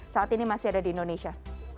saat ini masih ada di indonesia